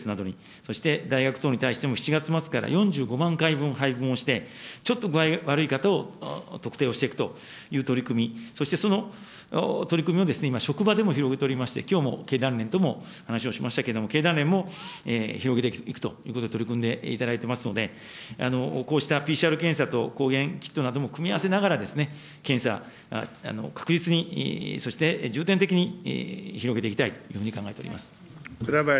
そして大学等に対しても７月末から４５万回分、配分をして、ちょっと具合悪い方を特定をしていくという取り組み、そしてその取り組みを今、職場でも広げておりまして、きょうも経団連とも話をしましたけれども、経団連も広げていくということで、取り組んでいただいてますので、こうしたＰＣＲ検査と抗原キットなども組み合わせながら、検査確実に、そして重点的に広げていきたいというふうに考えております。